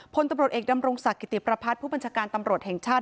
พลตำรวจเอกดำรงศักดิติประพัฒน์ผู้บัญชาการตำรวจแห่งชาติ